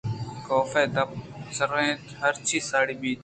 کاف ءِ دپ سُر یت ہرچی ساڑی بیت